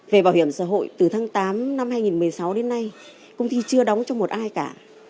về bảo hiểm xã hội từ tháng tám năm hai nghìn một mươi sáu đến nay công ty chưa đóng cho một ai cả